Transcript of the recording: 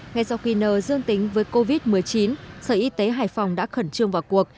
ngay sau khi n dương tính với covid một mươi chín sở y tế hải phòng đã khẩn trương vào cuộc